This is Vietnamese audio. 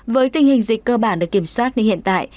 với tình hình dịch cơ bản được kiểm soát như hiện tại